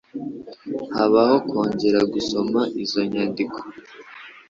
habaho kongera gusoma izo nyandiko